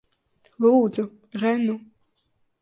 Lūdzu. Re nu.